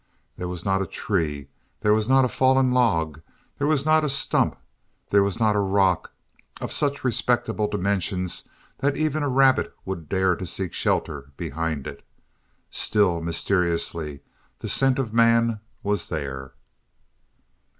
There was not a tree; there was not a fallen log; there was not a stump; there was not a rock of such respectable dimensions that even a rabbit would dare to seek shelter behind it. Still, mysteriously, the scent of man was there.